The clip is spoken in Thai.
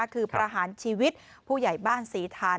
คือประหารชีวิตผู้ใหญ่บ้านศรีธาน